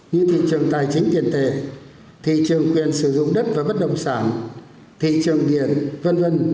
như thị trường tài chính tiền tệ thị trường quyền sử dụng đất và bất động sản thị trường điện v v